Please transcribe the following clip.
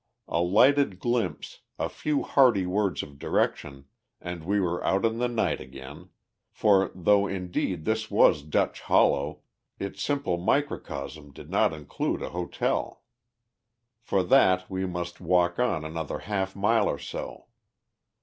A lighted glimpse, a few hearty words of direction, and we were out in the night again; for though, indeed, this was Dutch Hollow, its simple microcosm did not include an hotel. For that we must walk on another half mile or so.